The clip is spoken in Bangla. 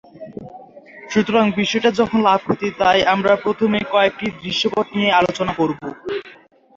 সুতরাং বিষয়টা যখন লাভ-ক্ষতির, তাই আমরা প্রথমেই কয়েকটি দৃশ্যপট নিয়ে আলোচনা করবো।